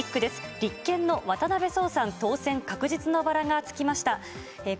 立憲の渡辺創さん、当選確実のバラがつきました。